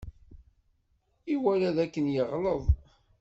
Iwala dakken yeɣleḍ.